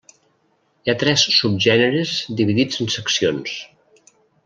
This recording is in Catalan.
Hi ha tres subgèneres dividits en seccions.